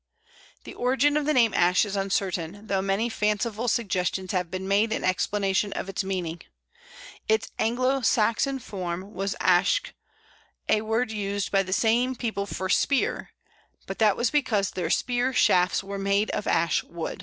The origin of the name Ash is uncertain, though many fanciful suggestions have been made in explanation of its meaning. Its Anglo Saxon form was æsc, a word used by the same people for spear, but that was because their spear shafts were made of Ash wood.